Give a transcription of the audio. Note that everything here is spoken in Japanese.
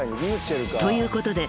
［ということで］